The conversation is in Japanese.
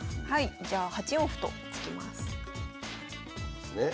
じゃあ８四歩と突きます。